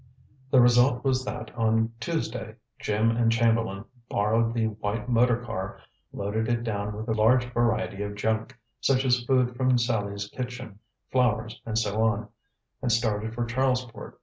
The result was that on Tuesday Jim and Chamberlain borrowed the white motor car, loaded it down with a large variety of junk, such as food from Sallie's kitchen, flowers and so on, and started for Charlesport.